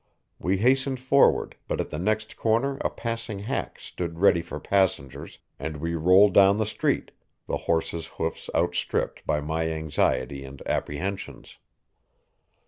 We hastened forward, but at the next corner a passing hack stood ready for passengers, and we rolled down the street, the horses' hoofs outstripped by my anxiety and apprehensions.